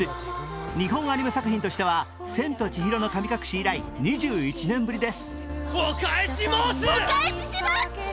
日本アニメ作品としては「千と千尋の神隠し」以来２１年ぶりです。